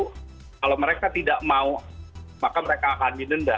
kalau mereka tidak mau maka mereka akan didenda